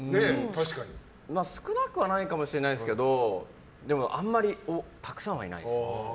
少なくはないかもしれないですけどでもあんまりたくさんはいないですね。